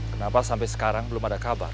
kenapa sampai sekarang belum ada kabar